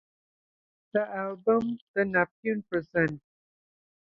The album The Neptunes Present...